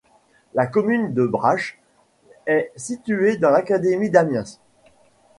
La commune de Braches est située dans l'académie d'Amiens.